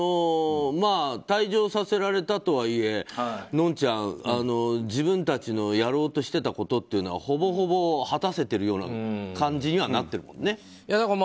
退場させられたとはいえのんちゃん、自分たちのやろうとしてたことっていうのはほぼほぼ果たせているような感じになっているもんね。